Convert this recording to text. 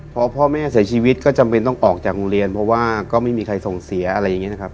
พอพ่อแม่เสียชีวิตก็จำเป็นต้องออกจากโรงเรียนเพราะว่าก็ไม่มีใครส่งเสียอะไรอย่างนี้นะครับ